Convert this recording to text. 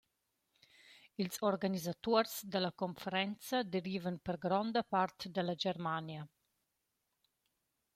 Ils organisatuors da la conferenza derivan per gronda part da la Germania.